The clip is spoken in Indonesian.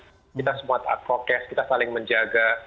kita semua taat prokes kita saling menjaga